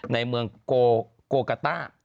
ในเมืองโกกาต้า